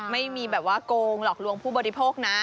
ไม่มีโกงหรอกลวงผู้บริโภคนะ